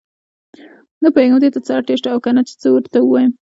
نه پوهېږم دې ته اړتیا شته او کنه چې څه درته ووايم.